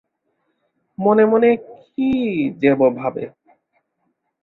মনে মনে কি যেব ভাবে।